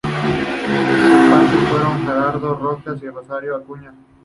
Sus padres fueron Gerardo Roxas y Rosario Acuña.